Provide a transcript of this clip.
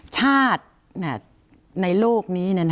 ชาติในโลกนี้